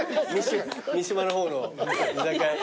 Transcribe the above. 三島の方の居酒屋。